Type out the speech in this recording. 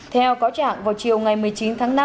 theo cáo trạng vào chiều ngày một mươi chín tháng năm